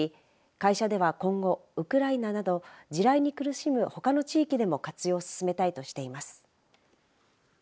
会社では今後、ウクライナなど地雷に苦しむほかの地域でも活用を進めたいとしています。